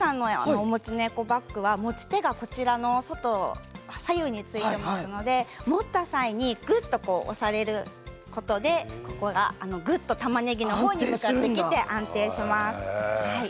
お持ちのエコバッグは持ち手が左右についているので持った際にぐっと押されることでたまねぎの方に力が向かってきて安定します。